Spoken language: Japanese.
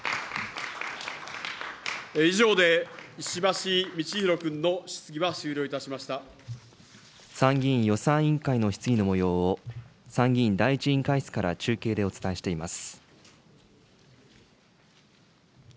以上で石橋通宏君の質疑は終参議院予算委員会の質疑のもようを、参議院第１委員会室から中継でお伝えしています。